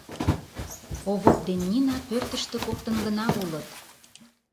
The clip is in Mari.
Овоп ден Нина пӧртыштӧ коктын гына улыт.